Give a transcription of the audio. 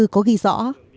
có ghi rõ